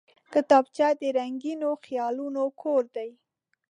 کتابچه د رنګینو خیالونو کور دی